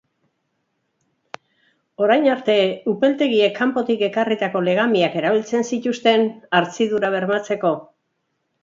Orain arte, upeltegiek kanpotik ekarritako legamiak erabiltzen zituzten hartzidura bermatzeko.